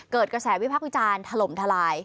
เกิดกระแสวิพักษ์วิจารณ์ถล่มทลาย